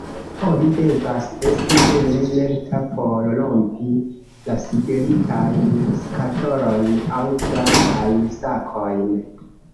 Oni devas esti vere lerta por rompi la sigelitajn skatolojn aŭ plastajn sakojn.